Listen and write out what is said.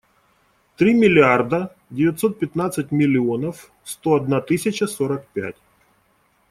Три миллиарда девятьсот пятнадцать миллионов сто одна тысяча сорок пять.